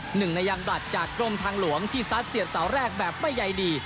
หนึ่งในยังบลัดจากกรมทางหลวงที่ซัดเสียบเสาแรกแบบไม่ใยดี